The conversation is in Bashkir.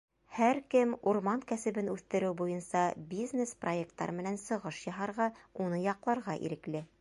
Һәр кем урман кәсебен үҫтереү буйынса бизнес-проекттар менән сығыш яһарға, уны яҡларға ирекле.